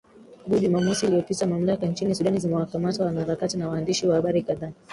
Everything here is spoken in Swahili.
gu jumamosi iliopita mamlaka nchini sudan zimewakamata wanaharakati na waandishi wa habari kadhaa